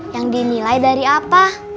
yang dinilai dari apa